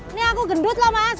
ini aku gendut loh mas